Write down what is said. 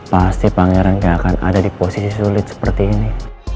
pasti pangeran gak akan ada di posisi sulit seperti ini